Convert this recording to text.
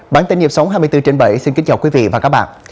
bản tin nhịp sống hai mươi bốn trên bảy xin kính chào quý vị và các bạn